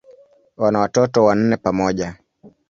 Wana watoto wanne pamoja.